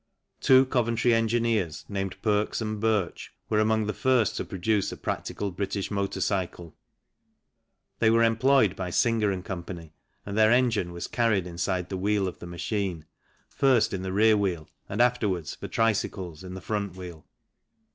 Two Coventry engineers, named Perks and Birch, were among the first to produce a practical British motor cycle. They were employed by Singer & Co., and their engine was carried inside the wheel of the machine, first in the rear wheel and afterwards, for tricycles, in the front wheel.